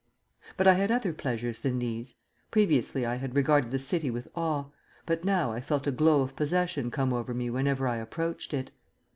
But I had other pleasures than these. Previously I had regarded the City with awe, but now I felt a glow of possession come over me whenever I approached it.